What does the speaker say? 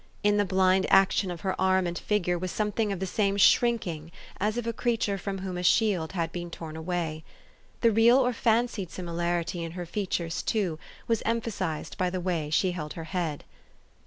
In the blind action of her arm and figure was something of the same shrinking as of a creature from whom a shield had been torn away. The real or fancied similarity in her features, too, was emphasized by the way she held her head.